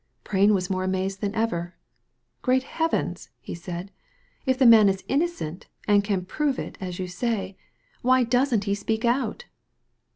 Prain was more amazed than ever. "Great Heavens !" he said ;" if the man is innocent, and can prove it, as you say, why doesn't he speak out